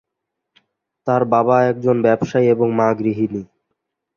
তার বাবা একজন ব্যবসায়ী এবং মা গৃহিণী।